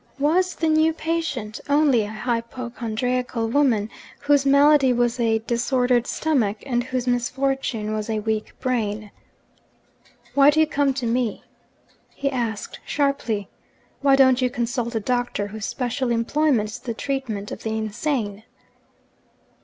Was the new patient only a hypochondriacal woman, whose malady was a disordered stomach and whose misfortune was a weak brain? 'Why do you come to me?' he asked sharply. 'Why don't you consult a doctor whose special employment is the treatment of the insane?'